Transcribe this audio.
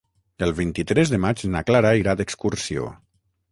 El vint-i-tres de maig na Clara irà d'excursió.